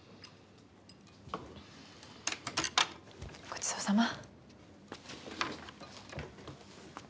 ごちそうさま。